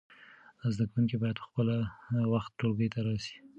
زده کوونکي باید په خپل وخت ټولګي ته راسی.